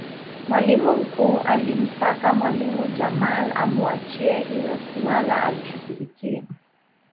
mwalimu mkuu alimtaka mwalimu jamal amuachie hilo suala alishughulikie